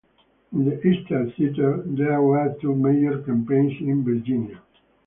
In the Eastern Theater, there were two major campaigns in Virginia.